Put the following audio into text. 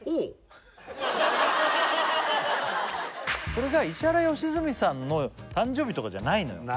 これが石原良純さんの誕生日とかじゃないのよ